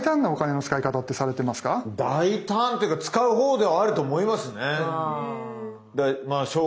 大胆というか使うほうではあると思いますね。